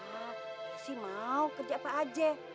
ya pasti mau kerja apa aja